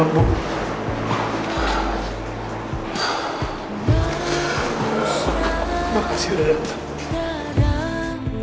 terima kasih udah dateng